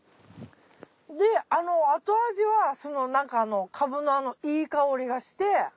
で後味はかぶのいい香りがして。